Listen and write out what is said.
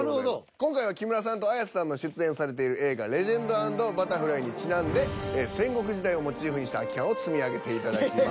今回は木村さんと綾瀬さんの出演されている映画「ＴＨＥＬＥＧＥＮＤ＆ＢＵＴＴＥＲＦＬＹ」にちなんで戦国時代をモチーフにした空き缶を積み上げていただきます。